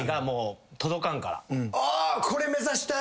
もう届かんから。